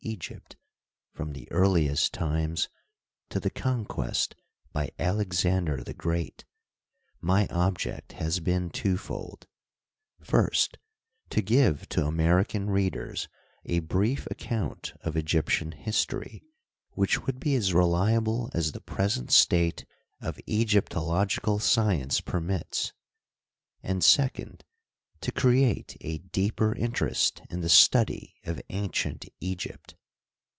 Egypt from the earliest times to the conquest by Alexander the Great, my object has been twofold : First, to give to American readers a brief ac count of Egyptian history which would be as reliable as the present state of Egyptological science permits ; and, second, to create a deeper interest in the study of ancient Egypt.